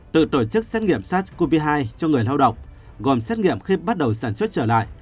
tự tổ chức xét nghiệm sars cov hai cho người lao động gồm xét nghiệm khi bắt đầu sản xuất trở lại